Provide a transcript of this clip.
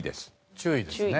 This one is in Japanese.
注意ですね。